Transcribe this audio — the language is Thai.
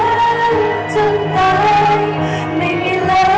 ขอบคุณทุกเรื่องราว